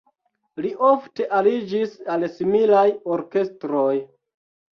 Li ofte aliĝis al similaj orkestroj.